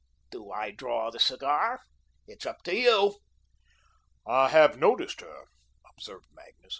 Do I draw the cigar? It's up to you." "I have noticed her," observed Magnus.